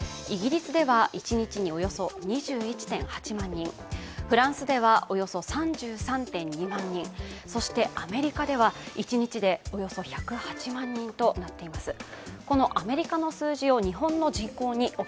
イギリスでは一日におよそ２１．８万人、フランスではおよそ３３．２万人、そして、アメリカでは一日でおよそ１０８万人となっています。